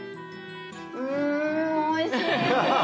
うんおいしい！